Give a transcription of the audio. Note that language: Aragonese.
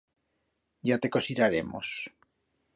Ya te cosiraremos.